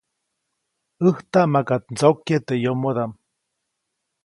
‒ʼÄjtaʼm makaʼt ndsokyeʼ teʼ yomodaʼm-.